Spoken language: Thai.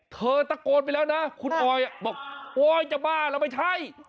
เธอตะโกนไปแล้วนะคุณออยบอกโอ๊ยจะบ้าเหรอไม่ใช่